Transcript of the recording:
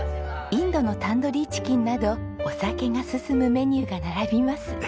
インドのタンドリーチキンなどお酒が進むメニューが並びます。